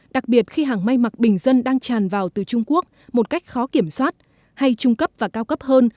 đặc biệt khi hàng may mặc bình dân đang tràn vào từ trung quốc một cách khó kiểm soát hay trung cấp và cao cấp hơn